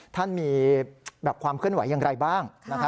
ท่านมีความเคลื่อนไหวอย่างไรบ้าง